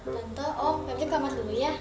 tante oh pepnya ke kamar dulu ya